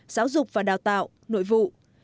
giáo dục và đào tạo nội vụ